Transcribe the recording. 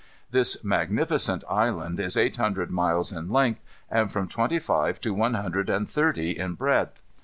This magnificent island is eight hundred miles in length, and from twenty five to one hundred and thirty in breadth.